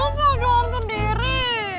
hmm mau saja untuk diri